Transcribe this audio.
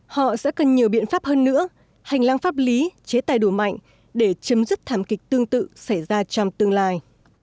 họ sẽ cần nhiều biện pháp hơn nữa hành lang pháp lý chế tài đủ mạnh để chấm dứt thảm kịch tương tự xảy ra trong tương lai